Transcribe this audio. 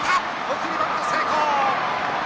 送りバント成功！